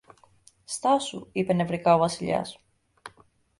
Στάσου, είπε νευρικά ο Βασιλιάς